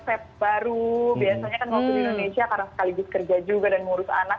biasanya kan waktu di indonesia karena sekali bis kerja juga dan mengurus anak